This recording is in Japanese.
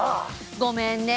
ごめんね。